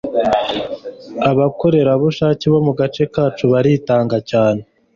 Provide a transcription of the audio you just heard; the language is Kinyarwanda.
Abakorerabushake bo mugace kacu baritanga cyane